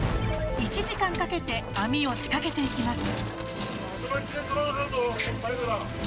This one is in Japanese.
１時間かけて網を仕掛けていきます。